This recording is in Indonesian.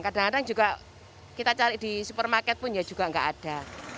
kadang kadang juga kita cari di supermarket pun ya juga nggak ada